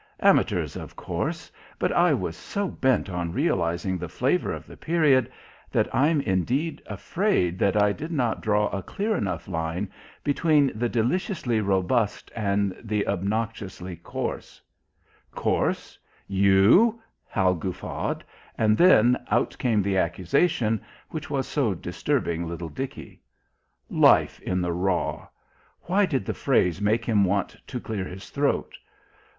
"Amateurs, of course. But I was so bent on realizing the flavour of the period, that I'm indeed afraid that I did not draw a clear enough line between the deliciously robust and the obnoxiously coarse " "Coarse you!" Hal guffawed. And then out came the accusation which was so disturbing little Dickie. Life in the raw! Why did the phrase make him want to clear his throat?